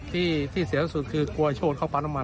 ที่เสียสุดคือกลัวโชคเข้าพันธุ์มัน